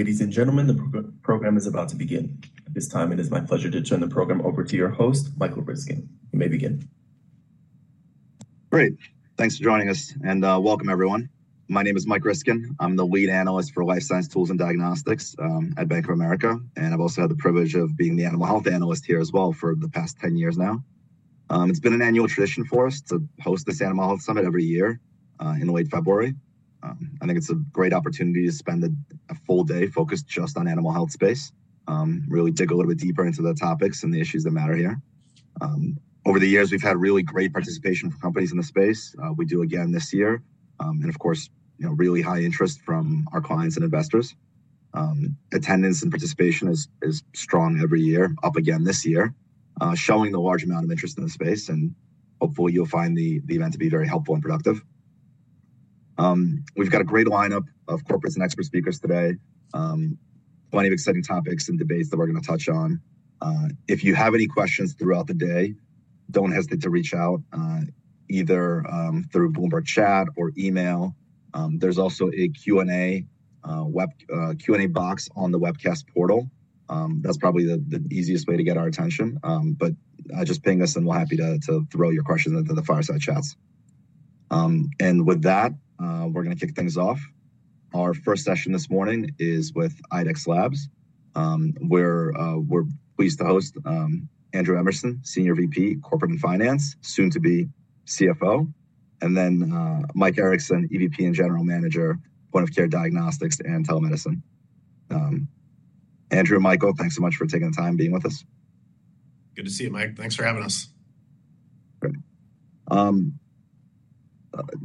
Ladies and gentlemen, the program is about to begin. At this time, it is my pleasure to turn the program over to your host, Michael Riskin. You may begin. Great. Thanks for joining us, and welcome, everyone. My name is Mike Riskin. I'm the lead analyst for Life Science Tools and Diagnostics at Bank of America, and I've also had the privilege of being the Animal Health Analyst here as well for the past 10 years now. It's been an annual tradition for us to host this Animal Health Summit every year in late February. I think it's a great opportunity to spend a full day focused just on the animal health space, really dig a little bit deeper into the topics and the issues that matter here. Over the years, we've had really great participation from companies in the space. We do again this year, and of course, really high interest from our clients and investors. Attendance and participation is strong every year, up again this year, showing the large amount of interest in the space, and hopefully you'll find the event to be very helpful and productive. We've got a great lineup of corporate and expert speakers today, plenty of exciting topics and debates that we're going to touch on. If you have any questions throughout the day, don't hesitate to reach out either through Bloomberg Chat or email. There's also a Q&A box on the webcast portal. That's probably the easiest way to get our attention, but just ping us, and we're happy to throw your questions into the fireside chats. And with that, we're going to kick things off. Our first session this morning is with IDEXX Labs. We're pleased to host Andrew Emerson, Senior VP, Corporate and Finance, soon to be CFO, and then Mike Erickson, EVP and General Manager, Point of Care Diagnostics and Telemedicine. Andrew, Michael, thanks so much for taking the time being with us. Good to see you, Mike. Thanks for having us.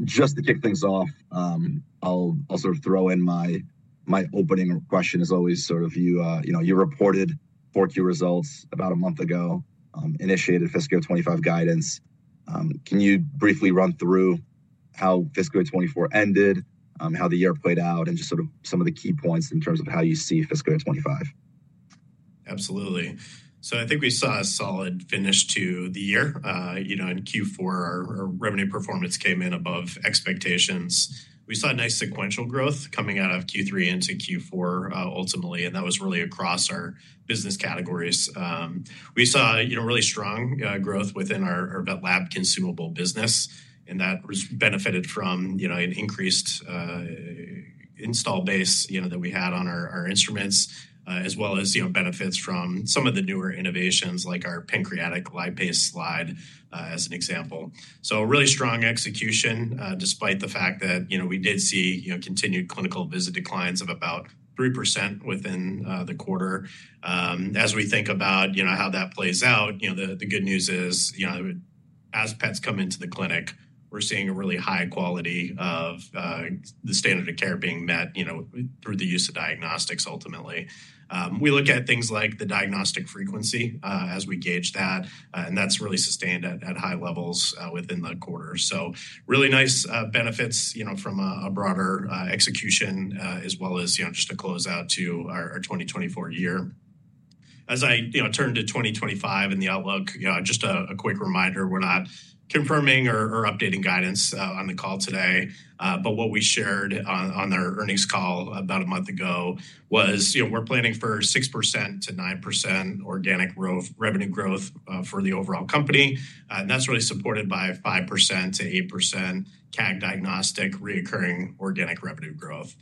Just to kick things off, I'll sort of throw in my opening question, as always. You reported 4Q results about a month ago, initiated Fiscal Year 2025 guidance. Can you briefly run through how Fiscal Year 2024 ended, how the year played out, and just sort of some of the key points in terms of how you see Fiscal Year 2025? Absolutely. So I think we saw a solid finish to the year. In Q4, our revenue performance came in above expectations. We saw nice sequential growth coming out of Q3 into Q4 ultimately, and that was really across our business categories. We saw really strong growth within our lab consumable business, and that benefited from an increased install base that we had on our instruments, as well as benefits from some of the newer innovations like our Pancreatic Lipase slide, as an example. So really strong execution, despite the fact that we did see continued clinical visit declines of about 3% within the quarter. As we think about how that plays out, the good news is, as pets come into the clinic, we're seeing a really high quality of the standard of care being met through the use of diagnostics, ultimately. We look at things like the diagnostic frequency as we gauge that, and that's really sustained at high levels within the quarter. So really nice benefits from a broader execution, as well as just a closeout to our 2024 year. As I turn to 2025 and the outlook, just a quick reminder, we're not confirming or updating guidance on the call today, but what we shared on our earnings call about a month ago was we're planning for 6%-9% organic revenue growth for the overall company, and that's really supported by 5%-8% CAG diagnostic recurring organic revenue growth.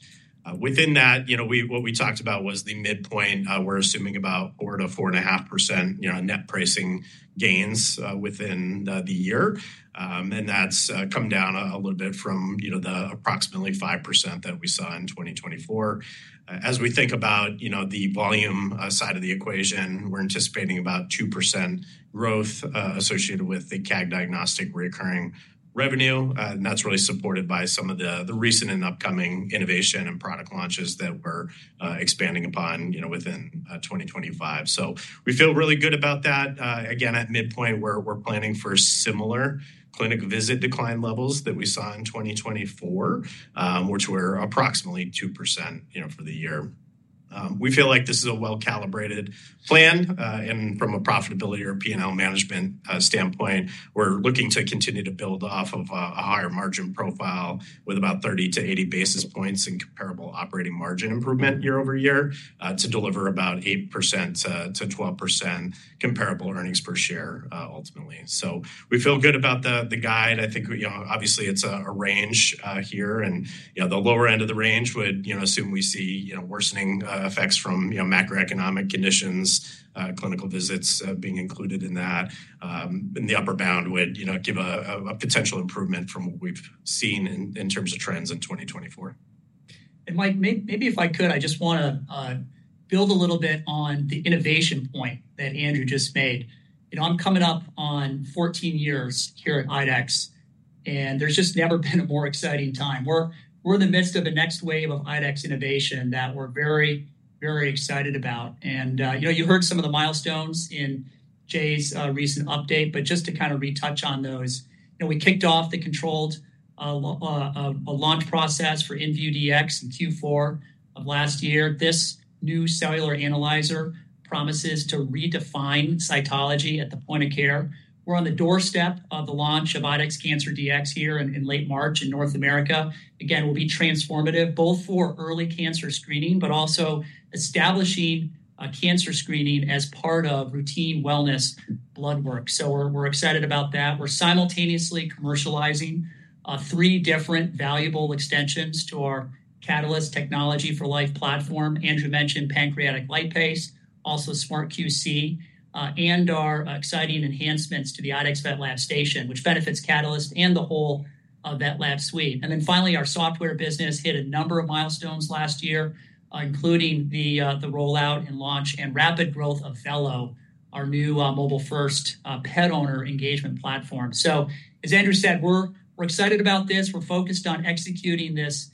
Within that, what we talked about was the midpoint. We're assuming about 4%-4.5% net pricing gains within the year, and that's come down a little bit from the approximately 5% that we saw in 2024. As we think about the volume side of the equation, we're anticipating about 2% growth associated with the CAG diagnostic recurring revenue, and that's really supported by some of the recent and upcoming innovation and product launches that we're expanding upon within 2025. So we feel really good about that. Again, at midpoint, we're planning for similar clinic visit decline levels that we saw in 2024, which were approximately 2% for the year. We feel like this is a well-calibrated plan, and from a profitability or P&L management standpoint, we're looking to continue to build off of a higher margin profile with about 30-80 basis points and comparable operating margin improvement year over year to deliver about 8%-12% comparable earnings per share, ultimately. So we feel good about the guide. I think, obviously, it's a range here, and the lower end of the range would assume we see worsening effects from macroeconomic conditions, clinical visits being included in that. In the upper bound, we'd give a potential improvement from what we've seen in terms of trends in 2024. And Mike, maybe if I could, I just want to build a little bit on the innovation point that Andrew just made. I'm coming up on 14 years here at IDEXX, and there's just never been a more exciting time. We're in the midst of the next wave of IDEXX innovation that we're very, very excited about. And you heard some of the milestones in Jay's recent update, but just to kind of retouch on those, we kicked off the controlled launch process for InVue Dx in Q4 of last year. This new cellular analyzer promises to redefine cytology at the point of care. We're on the doorstep of the launch of IDEXX Cancer Dx here in late March in North America. Again, it will be transformative, both for early cancer screening, but also establishing cancer screening as part of routine wellness blood work. So we're excited about that. We're simultaneously commercializing three different valuable extensions to our Catalyst Technology for Life platform. Andrew mentioned pancreatic lipase, also SmartQC, and our exciting enhancements to the IDEXX VetLab Station, which benefits Catalyst and the whole VetLab suite. And then finally, our software business hit a number of milestones last year, including the rollout and launch and rapid growth of Vello, our new mobile-first pet owner engagement platform. So, as Andrew said, we're excited about this. We're focused on executing this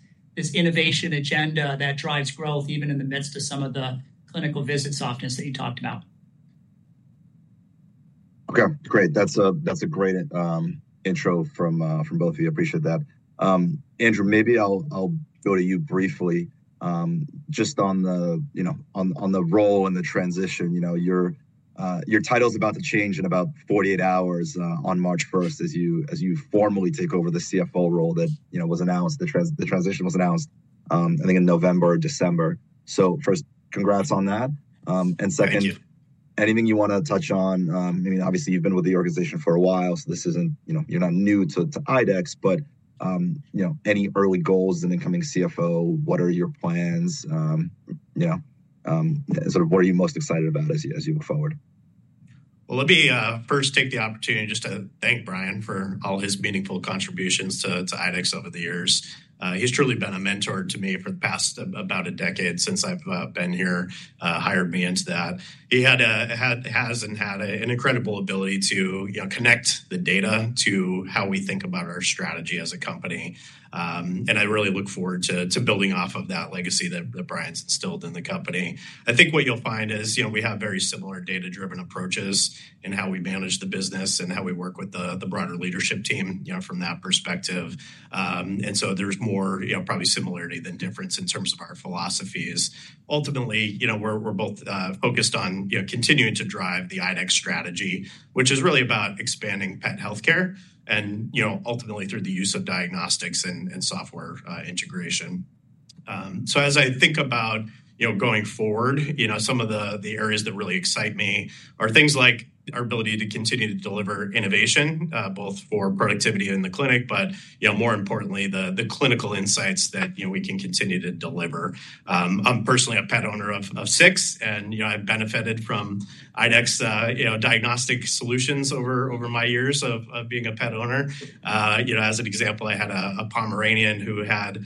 innovation agenda that drives growth even in the midst of some of the clinical visits often that you talked about. Okay, great. That's a great intro from both of you. I appreciate that. Andrew, maybe I'll go to you briefly. Just on the role and the transition, your title is about to change in about 48 hours on March 1st as you formally take over the CFO role that was announced. The transition was announced, I think, in November or December. So, first, congrats on that. And second, anything you want to touch on? I mean, obviously, you've been with the organization for a while, so you're not new to IDEXX, but any early goals in becoming CFO? What are your plans? Sort of what are you most excited about as you move forward? Let me first take the opportunity just to thank Brian for all his meaningful contributions to IDEXX over the years. He's truly been a mentor to me for the past about a decade since I've been here, hired me into that. He has and had an incredible ability to connect the data to how we think about our strategy as a company. I really look forward to building off of that legacy that Brian's instilled in the company. I think what you'll find is we have very similar data-driven approaches in how we manage the business and how we work with the broader leadership team from that perspective. There's more probably similarity than difference in terms of our philosophies. Ultimately, we're both focused on continuing to drive the IDEXX strategy, which is really about expanding pet healthcare and ultimately through the use of diagnostics and software integration. So, as I think about going forward, some of the areas that really excite me are things like our ability to continue to deliver innovation, both for productivity in the clinic, but more importantly, the clinical insights that we can continue to deliver. I'm personally a pet owner of six, and I've benefited from IDEXX diagnostic solutions over my years of being a pet owner. As an example, I had a Pomeranian who had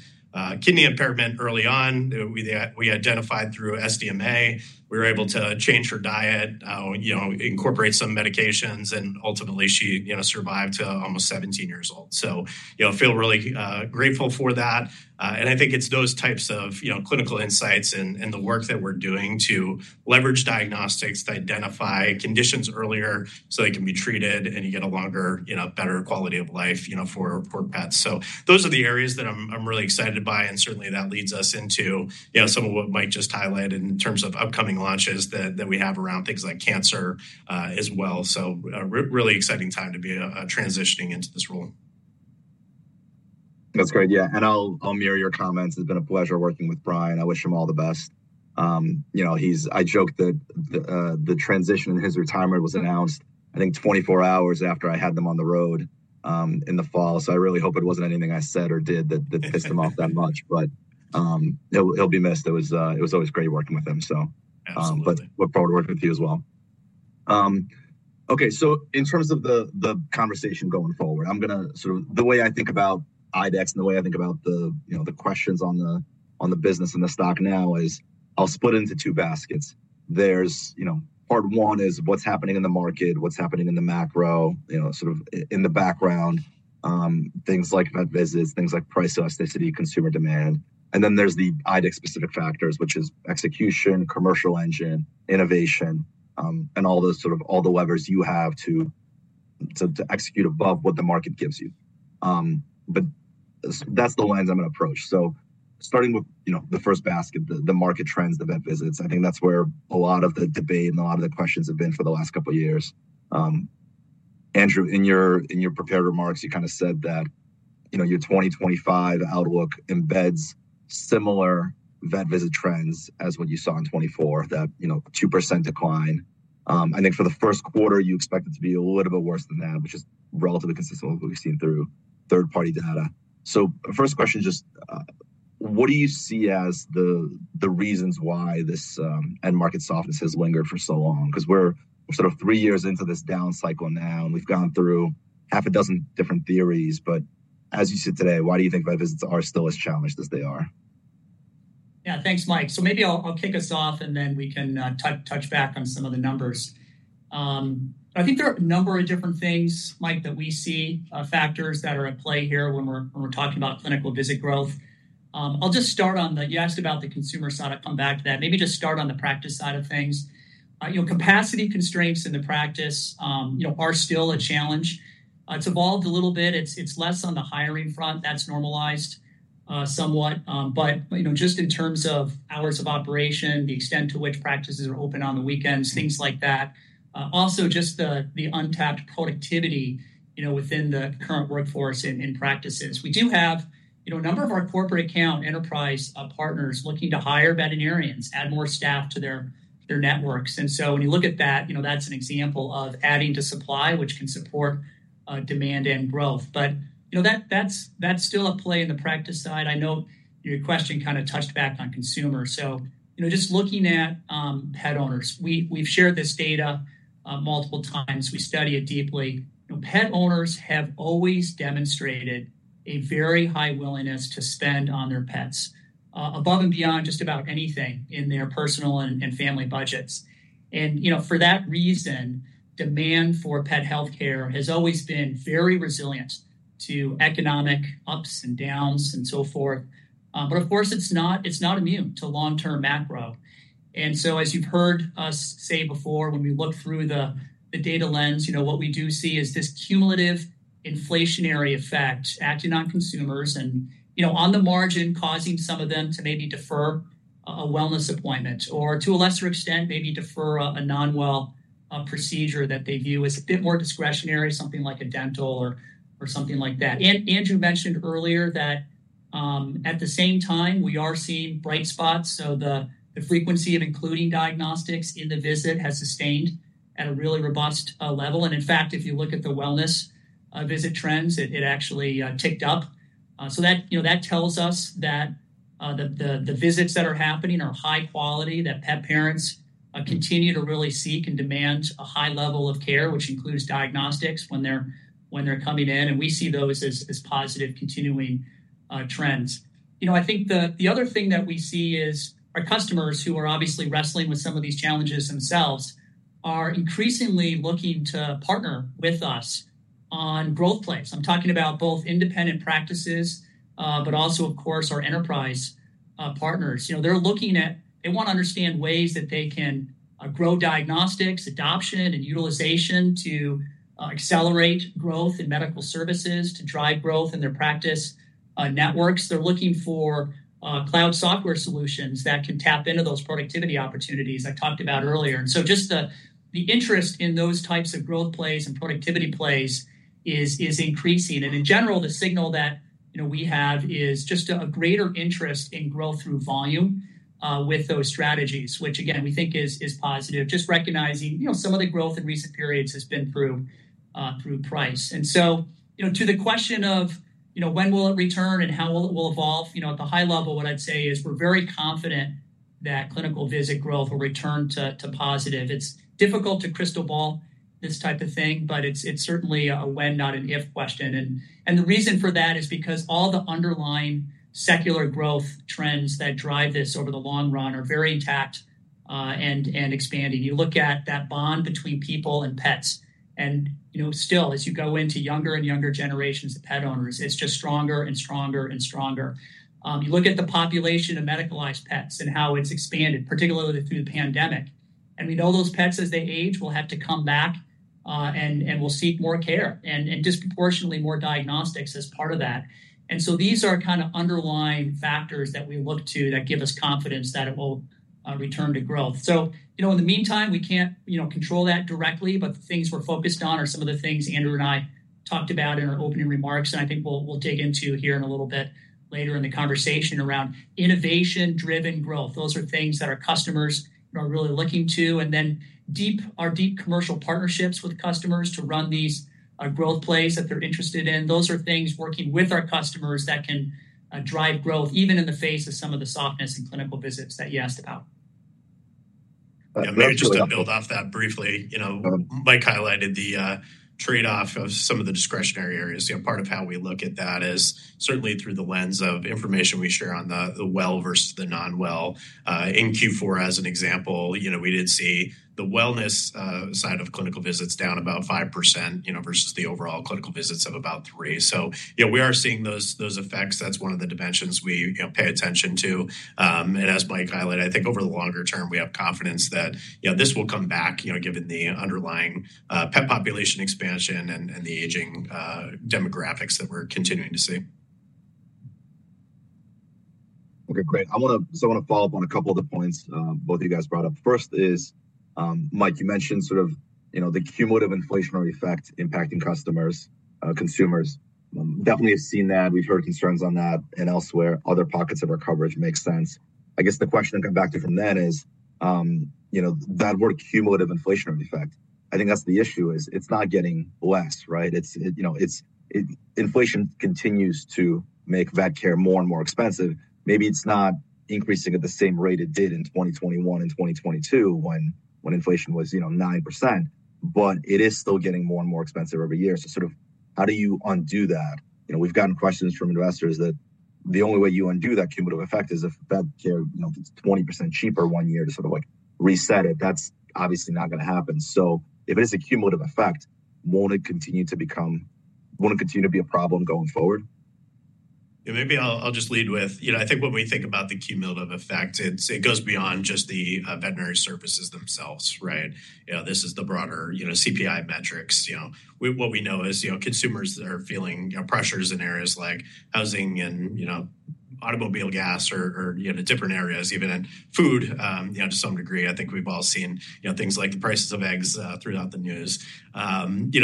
kidney impairment early on. We identified through SDMA. We were able to change her diet, incorporate some medications, and ultimately, she survived to almost 17 years old. So, I feel really grateful for that. And I think it's those types of clinical insights and the work that we're doing to leverage diagnostics to identify conditions earlier so they can be treated and you get a longer, better quality of life for pets. So, those are the areas that I'm really excited by, and certainly that leads us into some of what Mike just highlighted in terms of upcoming launches that we have around things like cancer as well. So, really exciting time to be transitioning into this role. That's great. Yeah, and I'll mirror your comments. It's been a pleasure working with Brian. I wish him all the best. I joke that the transition in his retirement was announced, I think, 24 hours after I had them on the road in the fall. So, I really hope it wasn't anything I said or did that pissed him off that much, but he'll be missed. It was always great working with him. So, we're proud to work with you as well. Okay. So, in terms of the conversation going forward, the way I think about IDEXX and the way I think about the questions on the business and the stock now is I'll split it into two baskets. Part one is what's happening in the market, what's happening in the macro, sort of in the background, things like pet visits, things like price elasticity, consumer demand. And then there's the IDEXX-specific factors, which is execution, commercial engine, innovation, and all the levers you have to execute above what the market gives you. But that's the lens I'm going to approach. So, starting with the first basket, the market trends, the vet visits, I think that's where a lot of the debate and a lot of the questions have been for the last couple of years. Andrew, in your prepared remarks, you kind of said that your 2025 outlook embeds similar vet visit trends as what you saw in 2024, that 2% decline. I think for the first quarter, you expected to be a little bit worse than that, which is relatively consistent with what we've seen through third-party data. So, first question, just what do you see as the reasons why this end market softness has lingered for so long? Because we're sort of three years into this down cycle now, and we've gone through half a dozen different theories, but as you sit today, why do you think vet visits are still as challenged as they are? Yeah, thanks, Mike. So maybe I'll kick us off, and then we can touch back on some of the numbers. I think there are a number of different things, Mike, that we see, factors that are at play here when we're talking about clinical visit growth. I'll just start on that you asked about, the consumer side. I'll come back to that. Maybe just start on the practice side of things. Capacity constraints in the practice are still a challenge. It's evolved a little bit. It's less on the hiring front. That's normalized somewhat. But just in terms of hours of operation, the extent to which practices are open on the weekends, things like that. Also, just the untapped productivity within the current workforce in practices. We do have a number of our corporate account enterprise partners looking to hire veterinarians, add more staff to their networks. And so, when you look at that, that's an example of adding to supply, which can support demand and growth. But that's still a play in the practice side. I know your question kind of touched back on consumers. So, just looking at pet owners, we've shared this data multiple times. We study it deeply. Pet owners have always demonstrated a very high willingness to spend on their pets above and beyond just about anything in their personal and family budgets. And for that reason, demand for pet healthcare has always been very resilient to economic ups and downs and so forth. But of course, it's not immune to long-term macro. As you've heard us say before, when we look through the data lens, what we do see is this cumulative inflationary effect acting on consumers and on the margin, causing some of them to maybe defer a wellness appointment or, to a lesser extent, maybe defer a non-well procedure that they view as a bit more discretionary, something like a dental or something like that. Andrew mentioned earlier that at the same time, we are seeing bright spots. The frequency of including diagnostics in the visit has sustained at a really robust level. In fact, if you look at the wellness visit trends, it actually ticked up. That tells us that the visits that are happening are high quality, that pet parents continue to really seek and demand a high level of care, which includes diagnostics when they're coming in. We see those as positive continuing trends. I think the other thing that we see is our customers who are obviously wrestling with some of these challenges themselves are increasingly looking to partner with us on growth plays. I'm talking about both independent practices, but also, of course, our enterprise partners. They're looking at. They want to understand ways that they can grow diagnostics, adoption, and utilization to accelerate growth in medical services to drive growth in their practice networks. They're looking for cloud software solutions that can tap into those productivity opportunities I talked about earlier. Just the interest in those types of growth plays and productivity plays is increasing. And in general, the signal that we have is just a greater interest in growth through volume with those strategies, which, again, we think is positive, just recognizing some of the growth in recent periods has been through price. And so, to the question of when will it return and how will it evolve, at the high level, what I'd say is we're very confident that clinical visit growth will return to positive. It's difficult to crystal ball this type of thing, but it's certainly a when, not an if question. And the reason for that is because all the underlying secular growth trends that drive this over the long run are very intact and expanding. You look at that bond between people and pets. And still, as you go into younger and younger generations of pet owners, it's just stronger and stronger and stronger. You look at the population of medicalized pets and how it's expanded, particularly through the pandemic. We know those pets, as they age, will have to come back and will seek more care and disproportionately more diagnostics as part of that. These are kind of underlying factors that we look to that give us confidence that it will return to growth. In the meantime, we can't control that directly, but the things we're focused on are some of the things Andrew and I talked about in our opening remarks. We will dig into here in a little bit later in the conversation around innovation-driven growth. Those are things that our customers are really looking to. Our deep commercial partnerships with customers to run these growth plays that they're interested in. Those are things working with our customers that can drive growth, even in the face of some of the softness in clinical visits that you asked about. Maybe just to build off that briefly, Mike highlighted the trade-off of some of the discretionary areas. Part of how we look at that is certainly through the lens of information we share on the well versus the non-well. In Q4, as an example, we did see the wellness side of clinical visits down about 5% versus the overall clinical visits of about 3%. So, we are seeing those effects. That's one of the dimensions we pay attention to. And as Mike highlighted, I think over the longer term, we have confidence that this will come back given the underlying pet population expansion and the aging demographics that we're continuing to see. Okay, great. I want to follow up on a couple of the points both of you guys brought up. First is, Mike, you mentioned sort of the cumulative inflationary effect impacting customers, consumers. Definitely have seen that. We've heard concerns on that and elsewhere. Other pockets of our coverage make sense. I guess the question I come back to from then is that word cumulative inflationary effect. I think that's the issue is it's not getting less, right? Inflation continues to make vet care more and more expensive. Maybe it's not increasing at the same rate it did in 2021 and 2022 when inflation was 9%, but it is still getting more and more expensive every year. So, sort of how do you undo that? We've gotten questions from investors that the only way you undo that cumulative effect is if vet care is 20% cheaper one year to sort of reset it. That's obviously not going to happen. So, if it is a cumulative effect, won't it continue to be a problem going forward? Yeah, maybe I'll just lead with, I think when we think about the cumulative effect, it goes beyond just the veterinary services themselves, right? This is the broader CPI metrics. What we know is consumers are feeling pressures in areas like housing and automobile gas or different areas, even in food to some degree. I think we've all seen things like the prices of eggs throughout the news.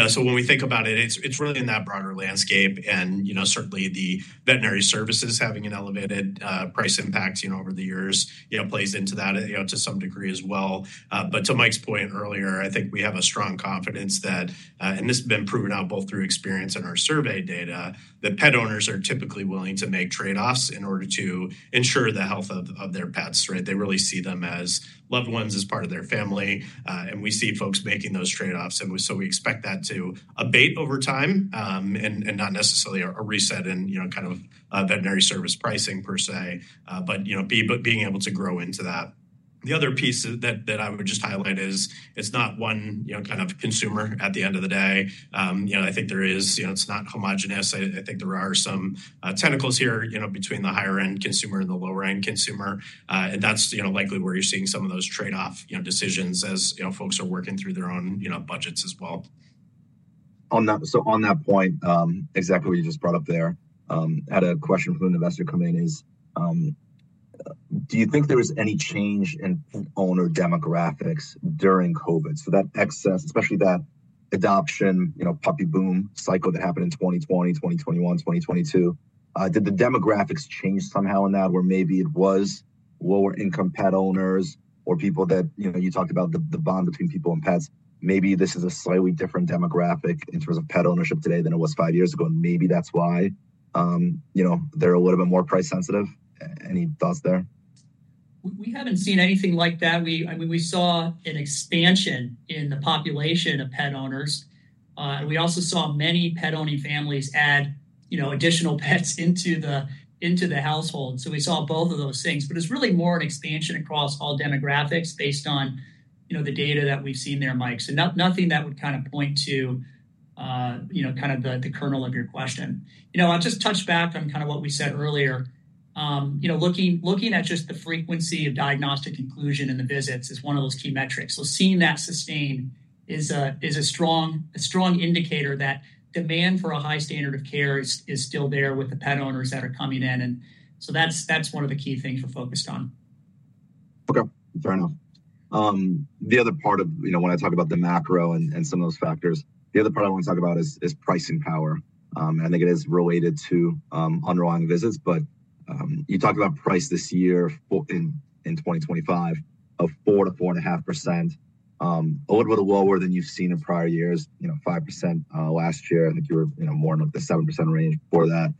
So, when we think about it, it's really in that broader landscape. And certainly, the veterinary services having an elevated price impact over the years plays into that to some degree as well. But to Mike's point earlier, I think we have a strong confidence that, and this has been proven out both through experience and our survey data, that pet owners are typically willing to make trade-offs in order to ensure the health of their pets, right? They really see them as loved ones, as part of their family, and we see folks making those trade-offs, and so, we expect that to abate over time and not necessarily a reset in kind of veterinary service pricing per se, but being able to grow into that. The other piece that I would just highlight is it's not one kind of consumer at the end of the day. I think there is, it's not homogeneous. I think there are some tentacles here between the higher-end consumer and the lower-end consumer, and that's likely where you're seeing some of those trade-off decisions as folks are working through their own budgets as well. On that point, exactly what you just brought up there, I had a question from an investor come in is, do you think there was any change in pet owner demographics during COVID? That excess, especially that adoption puppy boom cycle that happened in 2020, 2021, 2022, did the demographics change somehow in that where maybe it was lower-income pet owners or people that you talked about the bond between people and pets? Maybe this is a slightly different demographic in terms of pet ownership today than it was five years ago, and maybe that's why they're a little bit more price sensitive. Any thoughts there? We haven't seen anything like that. I mean, we saw an expansion in the population of pet owners. And we also saw many pet-owning families add additional pets into the household. So, we saw both of those things. But it's really more an expansion across all demographics based on the data that we've seen there, Mike. So, nothing that would kind of point to kind of the kernel of your question. I'll just touch back on kind of what we said earlier. Looking at just the frequency of diagnostic inclusion in the visits is one of those key metrics. So, seeing that sustained is a strong indicator that demand for a high standard of care is still there with the pet owners that are coming in. And so, that's one of the key things we're focused on. Okay, fair enough. The other part of when I talk about the macro and some of those factors, the other part I want to talk about is pricing power. I think it is related to underlying visits. But you talked about price this year in 2025 of 4-4.5%, a little bit lower than you've seen in prior years, 5% last year. I think you were more in the 7% range before that,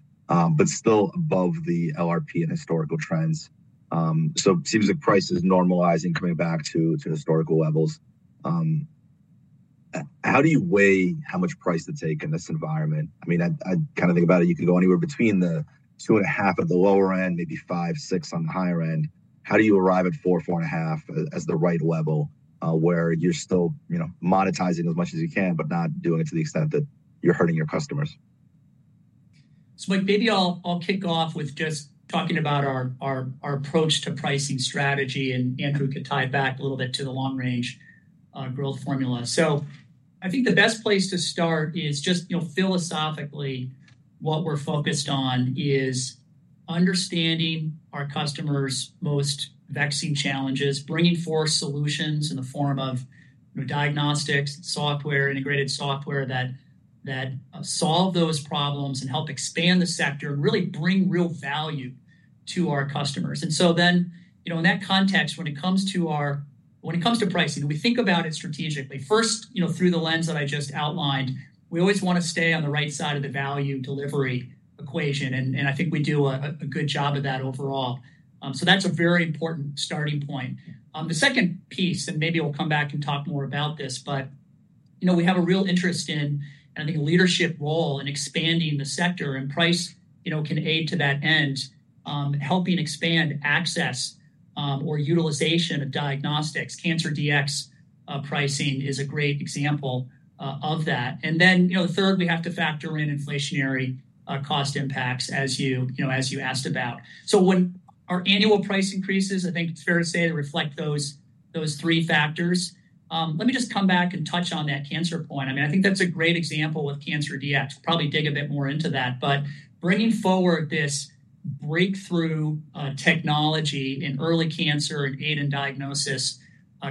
but still above the LRP and historical trends. So, it seems like price is normalizing, coming back to historical levels. How do you weigh how much price to take in this environment? I mean, I kind of think about it. You could go anywhere between 2.5% at the lower end, maybe 5-6% on the higher end. How do you arrive at 4, 4.5 as the right level where you're still monetizing as much as you can, but not doing it to the extent that you're hurting your customers? So, Mike, maybe I'll kick off with just talking about our approach to pricing strategy. And Andrew could tie it back a little bit to the long-range growth formula. So, I think the best place to start is just philosophically what we're focused on is understanding our customers' most vexing challenges, bringing forth solutions in the form of diagnostics, software, integrated software that solve those problems and help expand the sector and really bring real value to our customers. And so, then in that context, when it comes to pricing, we think about it strategically. First, through the lens that I just outlined, we always want to stay on the right side of the value delivery equation. And I think we do a good job of that overall. So, that's a very important starting point. The second piece, and maybe we'll come back and talk more about this, but we have a real interest in, and I think a leadership role in expanding the sector, and price can aid to that end, helping expand access or utilization of diagnostics. Cancer Dx pricing is a great example of that. And then the third, we have to factor in inflationary cost impacts as you asked about. So, when our annual price increases, I think it's fair to say they reflect those three factors. Let me just come back and touch on that cancer point. I mean, I think that's a great example with Cancer Dx. We'll probably dig a bit more into that. But bringing forward this breakthrough technology in early cancer and aid in diagnosis,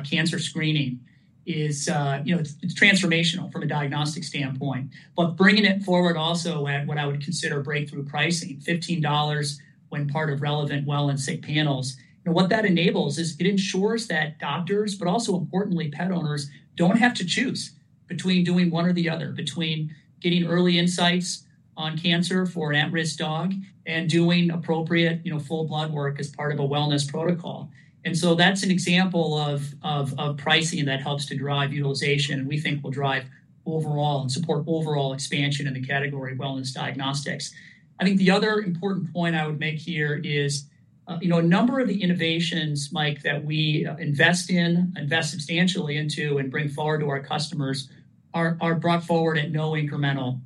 cancer screening, it's transformational from a diagnostic standpoint. But bringing it forward also at what I would consider breakthrough pricing, $15 when part of relevant well and sick panels. What that enables is it ensures that doctors, but also importantly, pet owners don't have to choose between doing one or the other, between getting early insights on cancer for an at-risk dog and doing appropriate full blood work as part of a wellness protocol. And so, that's an example of pricing that helps to drive utilization and we think will drive overall and support overall expansion in the category of wellness diagnostics. I think the other important point I would make here is a number of the innovations, Mike, that we invest in, invest substantially into and bring forward to our customers are brought forward at no incremental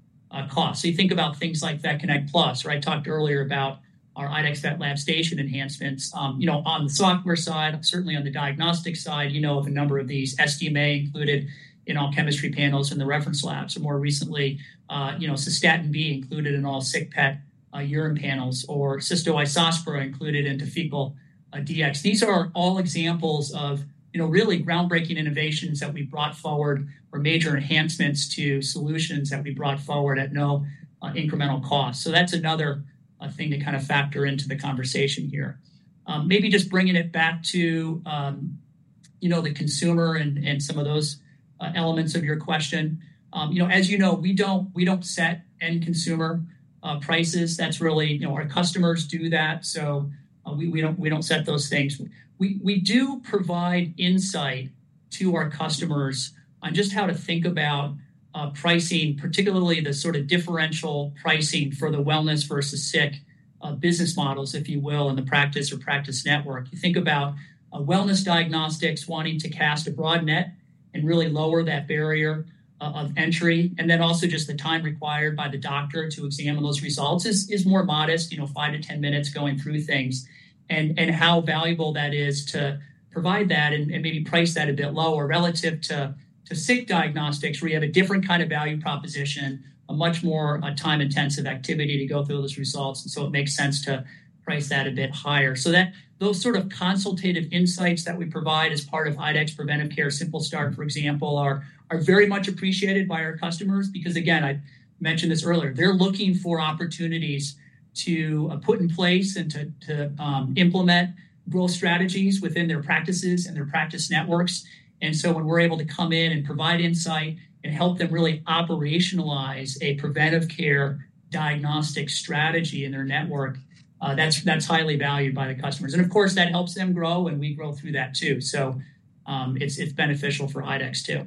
cost. So, you think about things like VetConnect PLUS, right? Talked earlier about our IDEXX VetLab Station enhancements. On the software side, certainly on the diagnostic side, you know of a number of these SDMA included in all chemistry panels in the reference labs. And more recently, cystatin C included in all sick pet urine panels or Cystoisospora included into Fecal Dx. These are all examples of really groundbreaking innovations that we brought forward or major enhancements to solutions that we brought forward at no incremental cost. So, that's another thing to kind of factor into the conversation here. Maybe just bringing it back to the consumer and some of those elements of your question. As you know, we don't set end consumer prices. That's really our customers do that. So, we don't set those things. We do provide insight to our customers on just how to think about pricing, particularly the sort of differential pricing for the wellness versus sick business models, if you will, in the practice or practice network. You think about wellness diagnostics wanting to cast a broad net and really lower that barrier of entry, and then also just the time required by the doctor to examine those results is more modest, five-10 minutes going through things, and how valuable that is to provide that and maybe price that a bit lower relative to sick diagnostics, where you have a different kind of value proposition, a much more time-intensive activity to go through those results, and so it makes sense to price that a bit higher. So, those sort of consultative insights that we provide as part of IDEXX Preventive Care, Simple Start, for example, are very much appreciated by our customers because, again, I mentioned this earlier, they're looking for opportunities to put in place and to implement growth strategies within their practices and their practice networks. And so, when we're able to come in and provide insight and help them really operationalize a preventive care diagnostic strategy in their network, that's highly valued by the customers. And of course, that helps them grow, and we grow through that too. So, it's beneficial for IDEXX too.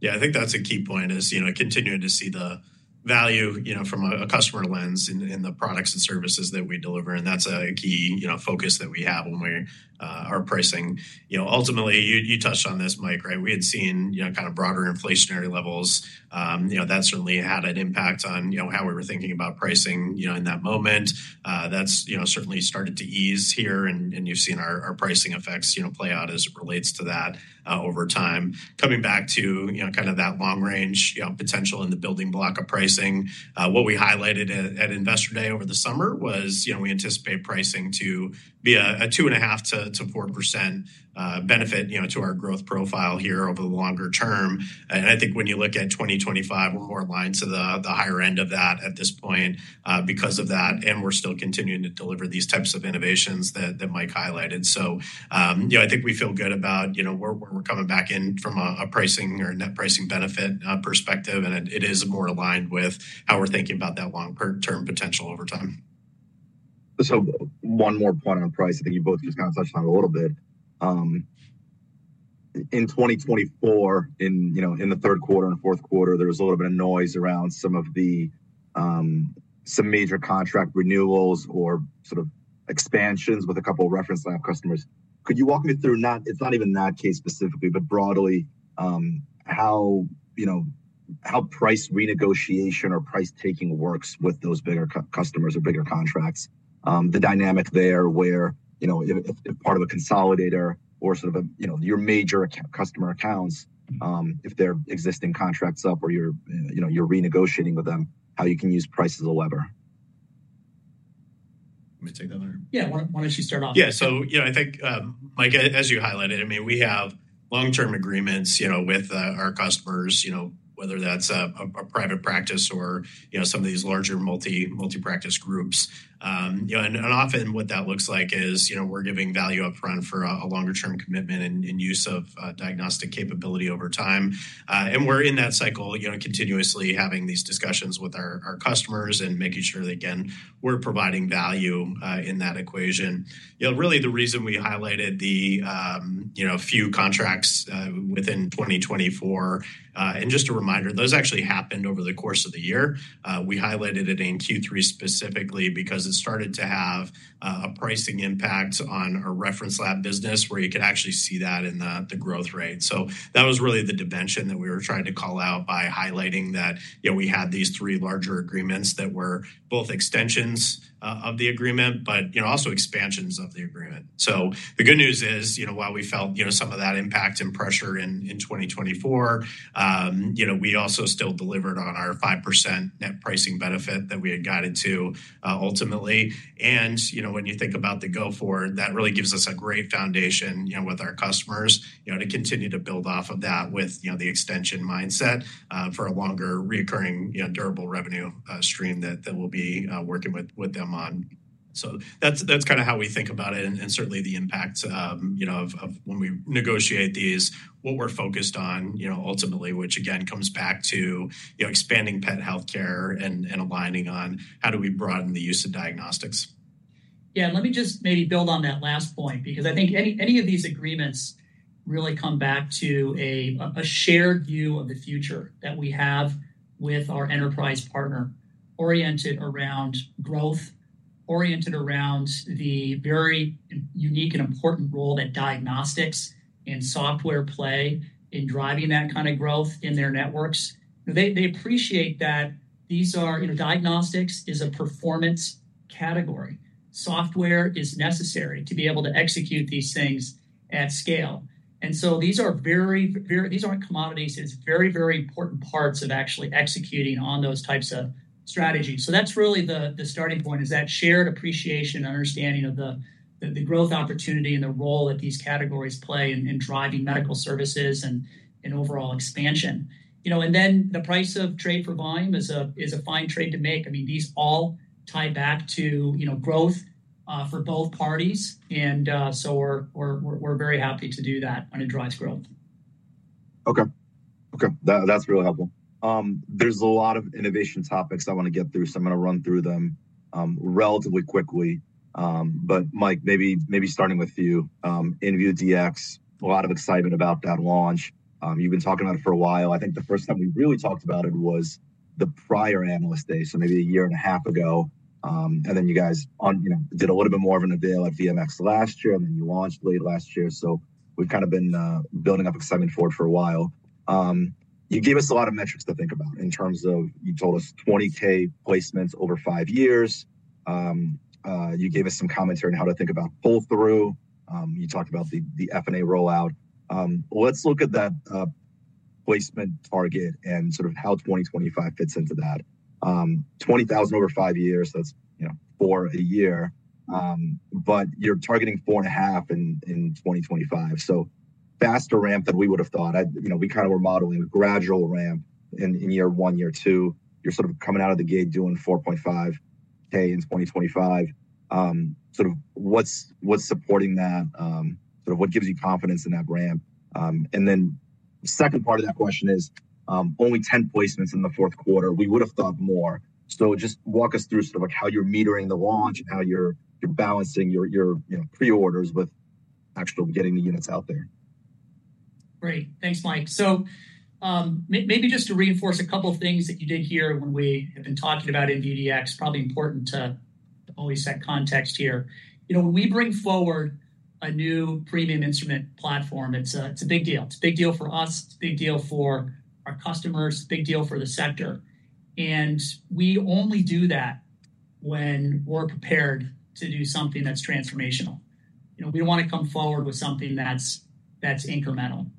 Yeah, I think that's a key point is continuing to see the value from a customer lens in the products and services that we deliver, and that's a key focus that we have when we are pricing. Ultimately, you touched on this, Mike, right? We had seen kind of broader inflationary levels. That certainly had an impact on how we were thinking about pricing in that moment. That's certainly started to ease here, and you've seen our pricing effects play out as it relates to that over time. Coming back to kind of that long-range potential in the building block of pricing, what we highlighted at Investor Day over the summer was we anticipate pricing to be a 2.5%-4% benefit to our growth profile here over the longer term. And I think when you look at 2025, we're more aligned to the higher end of that at this point because of that. And we're still continuing to deliver these types of innovations that Mike highlighted. So, I think we feel good about where we're coming back in from a pricing or net pricing benefit perspective. And it is more aligned with how we're thinking about that long-term potential over time. So, one more point on price. I think you both just kind of touched on it a little bit. In 2024, in the third quarter and fourth quarter, there was a little bit of noise around some of the major contract renewals or sort of expansions with a couple of reference lab customers. Could you walk me through? It's not even that case specifically, but broadly, how price renegotiation or price taking works with those bigger customers or bigger contracts? The dynamic there where if part of a consolidator or sort of your major customer accounts, if they're existing contracts up or you're renegotiating with them, how you can use price as a lever. Let me take that later. Yeah, why don't you start off? Yeah. So, I think, Mike, as you highlighted, I mean, we have long-term agreements with our customers, whether that's a private practice or some of these larger multi-practice groups. And often what that looks like is we're giving value upfront for a longer-term commitment and use of diagnostic capability over time. And we're in that cycle continuously having these discussions with our customers and making sure that, again, we're providing value in that equation. Really, the reason we highlighted the few contracts within 2024, and just a reminder, those actually happened over the course of the year. We highlighted it in Q3 specifically because it started to have a pricing impact on our reference lab business where you could actually see that in the growth rate. So, that was really the dimension that we were trying to call out by highlighting that we had these three larger agreements that were both extensions of the agreement, but also expansions of the agreement. So, the good news is while we felt some of that impact and pressure in 2024, we also still delivered on our 5% net pricing benefit that we had guided to ultimately. And when you think about the go forward, that really gives us a great foundation with our customers to continue to build off of that with the extension mindset for a longer recurring durable revenue stream that we'll be working with them on. So, that's kind of how we think about it. Certainly the impact of when we negotiate these, what we're focused on ultimately, which again comes back to expanding pet healthcare and aligning on how do we broaden the use of diagnostics. Yeah, let me just maybe build on that last point because I think any of these agreements really come back to a shared view of the future that we have with our enterprise partner oriented around growth, oriented around the very unique and important role that diagnostics and software play in driving that kind of growth in their networks. They appreciate that diagnostics is a performance category. Software is necessary to be able to execute these things at scale. And so, these aren't commodities. It's very, very important parts of actually executing on those types of strategies. So, that's really the starting point is that shared appreciation and understanding of the growth opportunity and the role that these categories play in driving medical services and overall expansion. And then the price of trade for volume is a fine trade to make. I mean, these all tie back to growth for both parties. And so, we're very happy to do that when it drives growth. Okay. Okay. That's really helpful. There's a lot of innovation topics I want to get through, so I'm going to run through them relatively quickly, but Mike, maybe starting with you, InVue Dx, a lot of excitement about that launch. You've been talking about it for a while. I think the first time we really talked about it was the prior analyst day, so maybe a year and a half ago, and then you guys did a little bit more of a reveal at VMX last year, and then you launched late last year, so we've kind of been building up excitement for it for a while. You gave us a lot of metrics to think about in terms of you told us 20K placements over five years. You gave us some commentary on how to think about pull-through. You talked about the Fecal Dx rollout. Let's look at that placement target and sort of how 2025 fits into that. 20,000 over five years, that's four a year. But you're targeting four and a half in 2025. So, faster ramp than we would have thought. We kind of were modeling a gradual ramp in year one, year two. You're sort of coming out of the gate doing 4.5K in 2025. Sort of what's supporting that? Sort of what gives you confidence in that ramp? And then the second part of that question is only 10 placements in the fourth quarter. We would have thought more. So, just walk us through sort of how you're metering the launch and how you're balancing your pre-orders with actual getting the units out there. Great. Thanks, Mike. So, maybe just to reinforce a couple of things that you did here when we have been talking about InVue Dx, probably important to always set context here. When we bring forward a new premium instrument platform, it's a big deal. It's a big deal for us. It's a big deal for our customers. It's a big deal for the sector. And we only do that when we're prepared to do something that's transformational. We don't want to come forward with something that's incremental.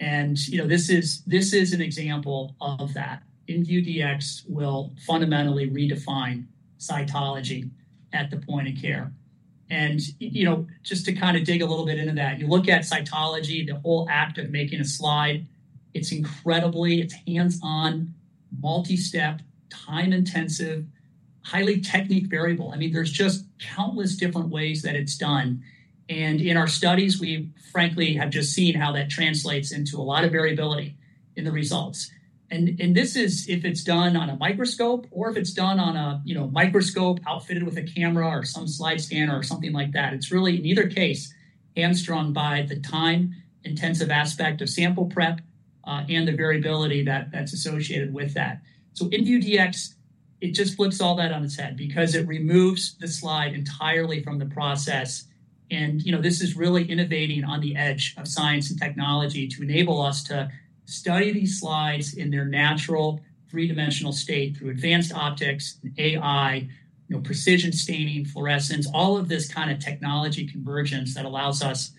And this is an example of that. InVue Dx will fundamentally redefine cytology at the point of care. And just to kind of dig a little bit into that, you look at cytology, the whole act of making a slide, it's incredibly, it's hands-on, multi-step, time-intensive, highly technique variable. I mean, there's just countless different ways that it's done. In our studies, we frankly have just seen how that translates into a lot of variability in the results. This is if it's done on a microscope or if it's done on a microscope outfitted with a camera or some slide scanner or something like that. It's really in either case hamstrung by the time-intensive aspect of sample prep and the variability that's associated with that. InVue Dx, it just flips all that on its head because it removes the slide entirely from the process. This is really innovating on the edge of science and technology to enable us to study these slides in their natural three-dimensional state through advanced optics, AI, precision staining, fluorescence, all of this kind of technology convergence that allows us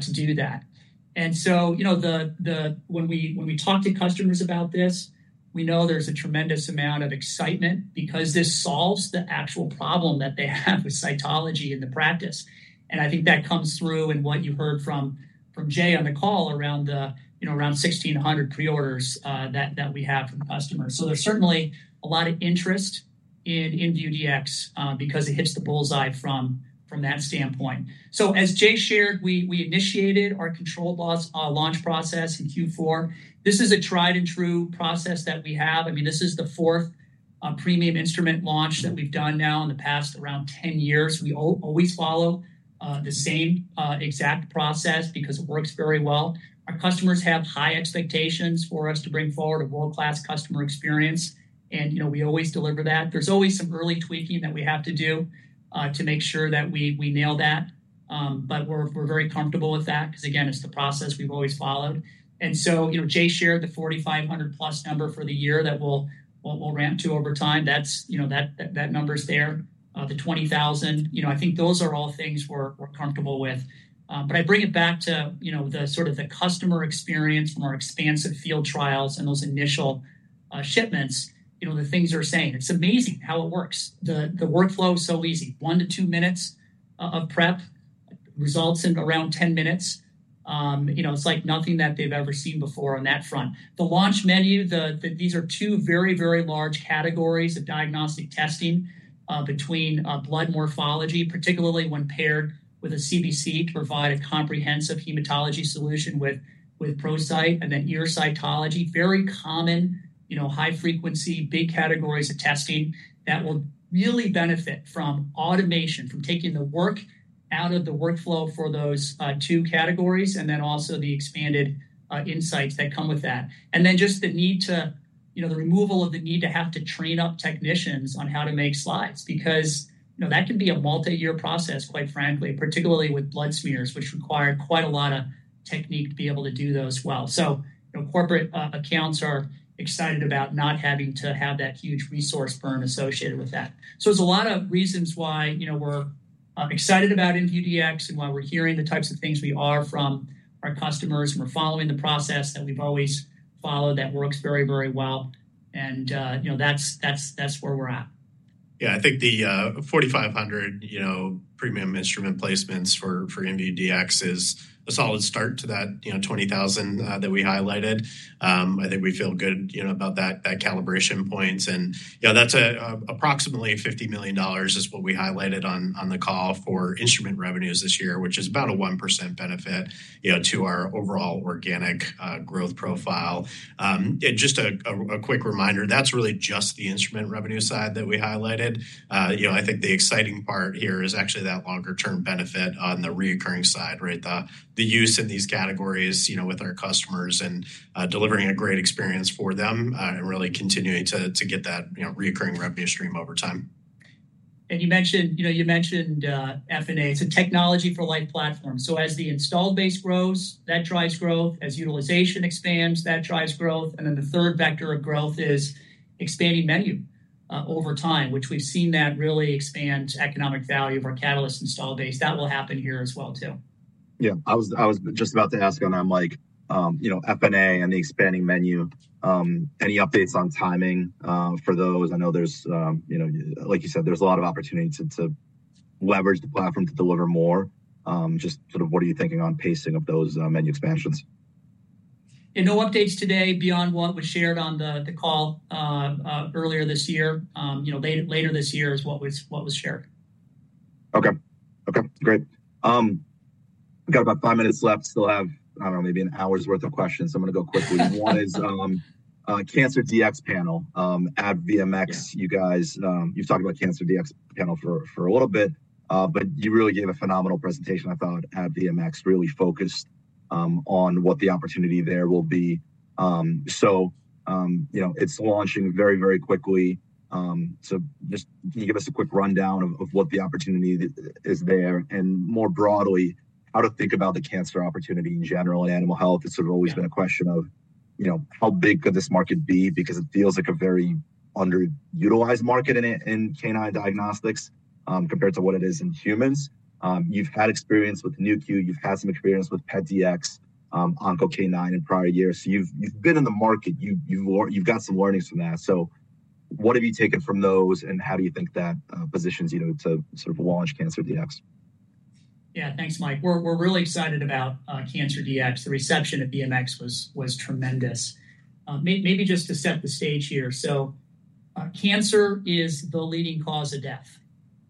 to do that. And so, when we talk to customers about this, we know there's a tremendous amount of excitement because this solves the actual problem that they have with cytology in the practice. And I think that comes through in what you heard from Jay on the call around 1,600 pre-orders that we have from customers. So, there's certainly a lot of interest in InVue Dx because it hits the bull's eye from that standpoint. So, as Jay shared, we initiated our controlled launch process in Q4. This is a tried-and-true process that we have. I mean, this is the fourth premium instrument launch that we've done now in the past around 10 years. We always follow the same exact process because it works very well. Our customers have high expectations for us to bring forward a world-class customer experience. And we always deliver that. There's always some early tweaking that we have to do to make sure that we nail that. But we're very comfortable with that because, again, it's the process we've always followed. And so, Jay shared the 4,500-plus number for the year that we'll ramp to over time. That number's there. The 20,000, I think those are all things we're comfortable with. But I bring it back to sort of the customer experience from our expansive field trials and those initial shipments, the things they're saying. It's amazing how it works. The workflow is so easy. One to two minutes of prep results in around 10 minutes. It's like nothing that they've ever seen before on that front. The launch menu, these are two very, very large categories of diagnostic testing between blood morphology, particularly when paired with a CBC to provide a comprehensive hematology solution with ProCyte, and then ear cytology, very common, high-frequency, big categories of testing that will really benefit from automation, from taking the work out of the workflow for those two categories, and then also the expanded insights that come with that. Then just the removal of the need to have to train up technicians on how to make slides because that can be a multi-year process, quite frankly, particularly with blood smears, which require quite a lot of technique to be able to do those well. Corporate accounts are excited about not having to have that huge resource drain associated with that. There's a lot of reasons why we're excited about InVue Dx and why we're hearing the types of things we are from our customers, and we're following the process that we've always followed that works very, very well. That's where we're at. Yeah, I think the 4,500 premium instrument placements for InVue Dx is a solid start to that 20,000 that we highlighted. I think we feel good about that calibration point. And that's approximately $50 million, is what we highlighted on the call for instrument revenues this year, which is about a 1% benefit to our overall organic growth profile. Just a quick reminder, that's really just the instrument revenue side that we highlighted. I think the exciting part here is actually that longer-term benefit on the recurring side, right? The use in these categories with our customers and delivering a great experience for them and really continuing to get that recurring revenue stream over time. And you mentioned F&A. It's a Technology for Life platform. So, as the installed base grows, that drives growth. As utilization expands, that drives growth. And then the third vector of growth is expanding menu over time, which we've seen that really expands economic value of our Catalyst installed base. That will happen here as well, too. Yeah. I was just about to ask on that, Mike, F&A and the expanding menu, any updates on timing for those? I know, like you said, there's a lot of opportunity to leverage the platform to deliver more. Just sort of what are you thinking on pacing of those menu expansions? No updates today beyond what was shared on the call earlier this year. Later this year is what was shared. Okay. Okay. Great. We've got about five minutes left. Still have, I don't know, maybe an hour's worth of questions. I'm going to go quickly. One is Cancer Dx panel at VMX. You guys you've talked about Cancer Dx panel for a little bit, but you really gave a phenomenal presentation. I thought at VMX really focused on what the opportunity there will be. So, it's launching very, very quickly. So, just can you give us a quick rundown of what the opportunity is there? And more broadly, how to think about the cancer opportunity in general in animal health. It's sort of always been a question of how big could this market be because it feels like a very underutilized market in canine diagnostics compared to what it is in humans. You've had experience with Nu.Q. You've had some experience with PetDx, OncoK9 in prior years. So, you've been in the market. You've got some learnings from that. So, what have you taken from those, and how do you think that positions you to sort of launch Cancer Dx? Yeah. Thanks, Mike. We're really excited about Cancer Dx. The reception at VMX was tremendous. Maybe just to set the stage here so cancer is the leading cause of death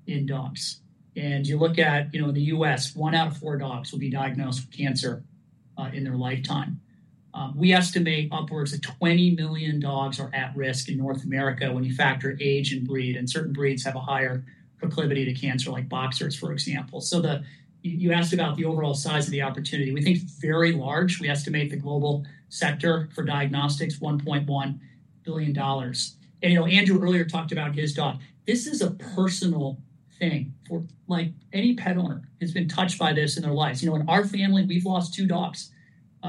in dogs, and you look at in the U.S., one out of four dogs will be diagnosed with cancer in their lifetime. We estimate upwards of 20 million dogs are at risk in North America when you factor age and breed, and certain breeds have a higher proclivity to cancer, like boxers, for example, so you asked about the overall size of the opportunity. We think it's very large. We estimate the global sector for diagnostics, $1.1 billion. And Andrew earlier talked about his dog. This is a personal thing. Any pet owner has been touched by this in their lives. In our family, we've lost two dogs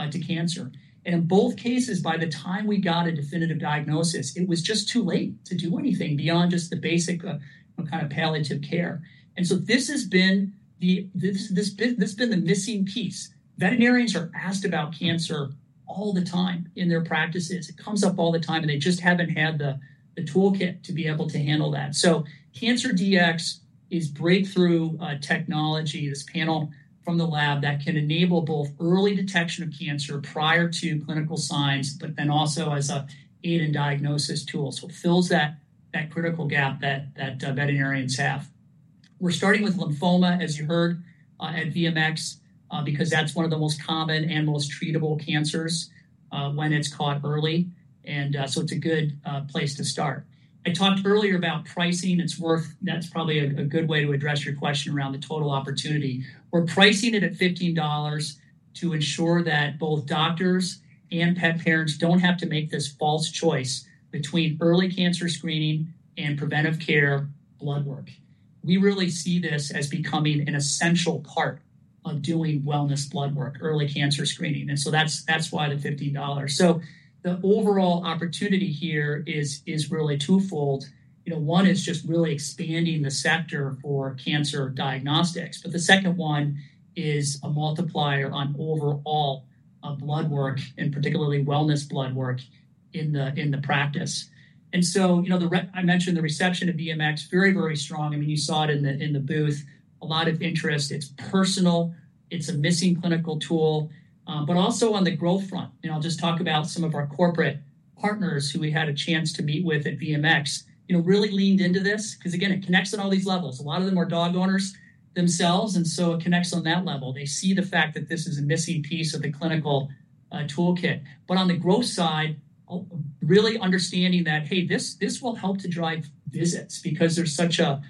to cancer. In both cases, by the time we got a definitive diagnosis, it was just too late to do anything beyond just the basic kind of palliative care. This has been the missing piece. Veterinarians are asked about cancer all the time in their practices. It comes up all the time, and they just haven't had the toolkit to be able to handle that. Cancer Dx is breakthrough technology, this panel from the lab that can enable both early detection of cancer prior to clinical signs, but then also as an aid in diagnosis tool. It fills that critical gap that veterinarians have. We're starting with lymphoma, as you heard, at VMX because that's one of the most common and most treatable cancers when it's caught early. It's a good place to start. I talked earlier about pricing. That's probably a good way to address your question around the total opportunity. We're pricing it at $15 to ensure that both doctors and pet parents don't have to make this false choice between early cancer screening and preventive care blood work. We really see this as becoming an essential part of doing wellness blood work, early cancer screening. And so, that's why the $15. So, the overall opportunity here is really twofold. One is just really expanding the sector for cancer diagnostics. But the second one is a multiplier on overall blood work and particularly wellness blood work in the practice. And so, I mentioned the reception of VMX, very, very strong. I mean, you saw it in the booth. A lot of interest. It's personal. It's a missing clinical tool. But also on the growth front, and I'll just talk about some of our corporate partners who we had a chance to meet with at VMX. They really leaned into this because, again, it connects on all these levels. A lot of them are dog owners themselves, and so it connects on that level. They see the fact that this is a missing piece of the clinical toolkit. But on the growth side, really understanding that, hey, this will help to drive visits because there's such a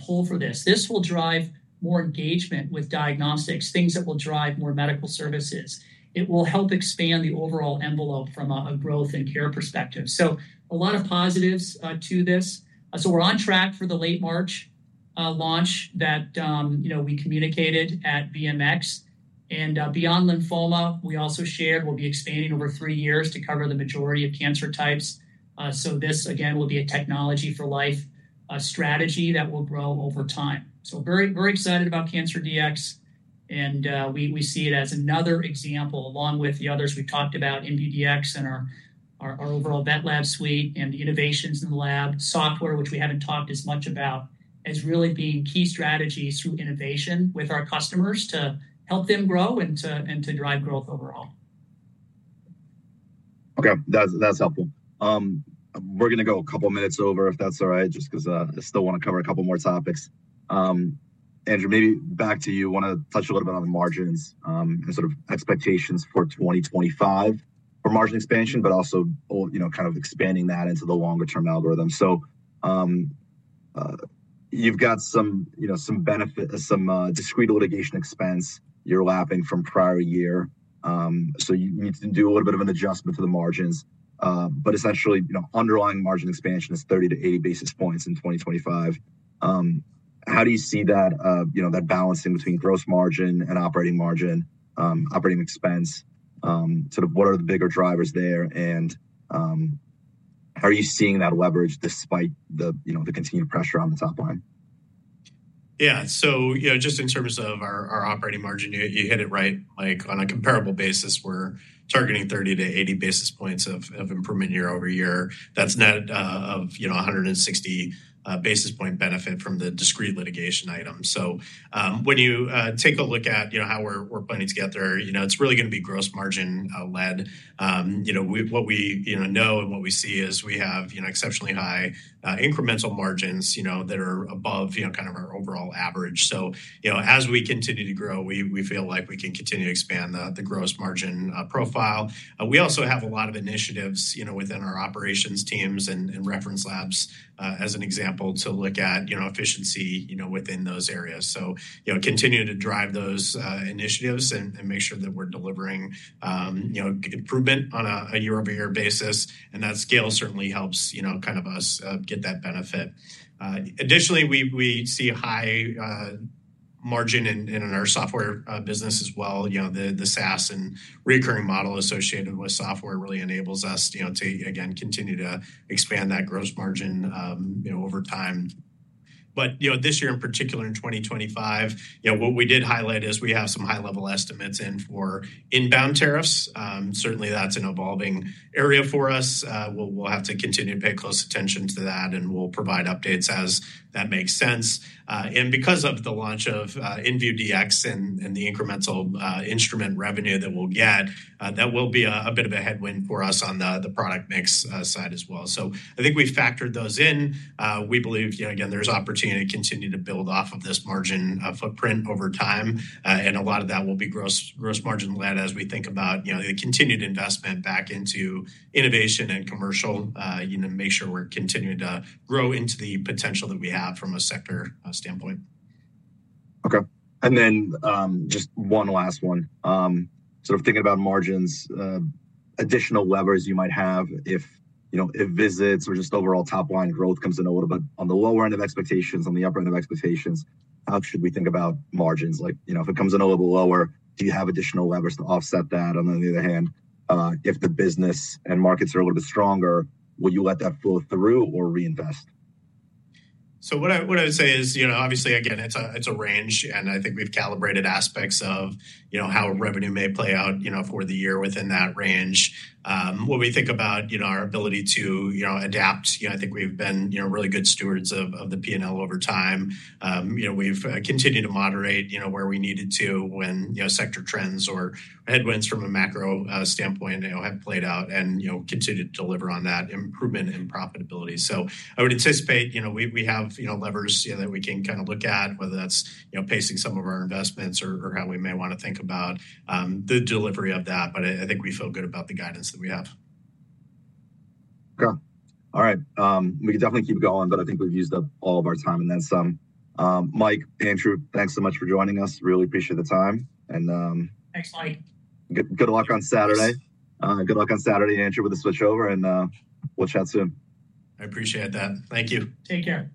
pull for this. This will drive more engagement with diagnostics, things that will drive more medical services. It will help expand the overall envelope from a growth and care perspective. So, a lot of positives to this. So, we're on track for the late March launch that we communicated at VMX. And beyond lymphoma, we also shared we'll be expanding over three years to cover the majority of cancer types. So, this, again, will be a Technology for Life strategy that will grow over time. So, very excited about Cancer Dx. And we see it as another example along with the others. We've talked about InVue Dx and our overall VetLab Suite and the innovations in the lab software, which we haven't talked as much about, as really being key strategies through innovation with our customers to help them grow and to drive growth overall. Okay. That's helpful. We're going to go a couple of minutes over, if that's all right, just because I still want to cover a couple more topics. Andrew, maybe back to you. I want to touch a little bit on the margins and sort of expectations for 2025 for margin expansion, but also kind of expanding that into the longer-term algorithm. So, you've got some discrete litigation expense you're lapping from prior year. So, you need to do a little bit of an adjustment to the margins. But essentially, underlying margin expansion is 30-80 basis points in 2025. How do you see that balancing between gross margin and operating margin, operating expense? Sort of what are the bigger drivers there? And how are you seeing that leverage despite the continued pressure on the top line? Yeah. So, just in terms of our operating margin, you hit it right. On a comparable basis, we're targeting 30-80 basis points of improvement year over year. That's net of 160 basis points benefit from the discrete litigation item. So, when you take a look at how we're planning to get there, it's really going to be gross margin led. What we know and what we see is we have exceptionally high incremental margins that are above kind of our overall average. So, as we continue to grow, we feel like we can continue to expand the gross margin profile. We also have a lot of initiatives within our operations teams and reference labs, as an example, to look at efficiency within those areas. So, continue to drive those initiatives and make sure that we're delivering improvement on a year-over-year basis. And that scale certainly helps kind of us get that benefit. Additionally, we see a high margin in our software business as well. The SaaS and recurring model associated with software really enables us to, again, continue to expand that gross margin over time. But this year, in particular, in 2025, what we did highlight is we have some high-level estimates in for inbound tariffs. Certainly, that's an evolving area for us. We'll have to continue to pay close attention to that, and we'll provide updates as that makes sense. And because of the launch of InVue Dx and the incremental instrument revenue that we'll get, that will be a bit of a headwind for us on the product mix side as well. So, I think we've factored those in. We believe, again, there's opportunity to continue to build off of this margin footprint over time. A lot of that will be gross margin led as we think about the continued investment back into innovation and commercial to make sure we're continuing to grow into the potential that we have from a sector standpoint. Okay, and then just one last one. Sort of thinking about margins, additional levers you might have if visits or just overall top line growth comes in a little bit on the lower end of expectations, on the upper end of expectations, how should we think about margins? If it comes in a little bit lower, do you have additional levers to offset that? On the other hand, if the business and markets are a little bit stronger, will you let that flow through or reinvest? So, what I would say is, obviously, again, it's a range. And I think we've calibrated aspects of how revenue may play out for the year within that range. What we think about our ability to adapt, I think we've been really good stewards of the P&L over time. We've continued to moderate where we needed to when sector trends or headwinds from a macro standpoint have played out and continued to deliver on that improvement in profitability. So, I would anticipate we have levers that we can kind of look at, whether that's pacing some of our investments or how we may want to think about the delivery of that. But I think we feel good about the guidance that we have. Okay. All right. We can definitely keep going, but I think we've used up all of our time in that summit. Mike, Andrew, thanks so much for joining us. Really appreciate the time. And. Thanks, Mike. Good luck on Saturday. Good luck on Saturday, Andrew, with the switchover, and we'll chat soon. I appreciate that. Thank you. Take care.